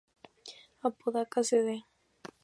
Apodaca, Cd.